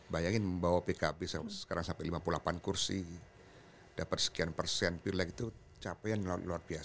bayangin membawa pkb sekarang sampai lima puluh delapan kursi dapat sekian persen pilih itu capaian luar biasa